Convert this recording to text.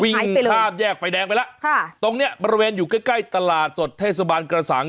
ข้ามแยกไฟแดงไปแล้วค่ะตรงเนี้ยบริเวณอยู่ใกล้ใกล้ตลาดสดเทศบาลกระสัง